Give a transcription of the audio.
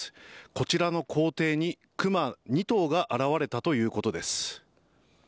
こちらの校庭にクマ２頭が現れたということです。